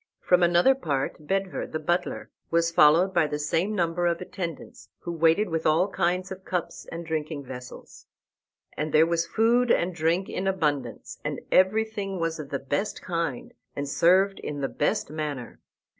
From another part Bedver, the butler, was followed by the same number of attendants, who waited with all kinds of cups and drinking vessels. And there was food and drink in abundance, and everything was of the best kind, and served in the best manner.